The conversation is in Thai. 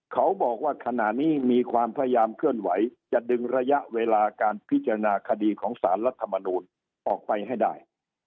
เขาบอกว่าขณะนี้มีความพยายามเคลื่อนไหวจะดึงระยะเวลาการพิจารณาคดีของสารรัฐมนูลออกไปให้ได้